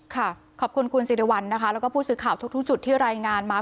ค่ะขอบคุณคุณซีรวรรณนะคะแล้วก็พูดสื่อข่าวทุกทุกจุดที่รายงานมา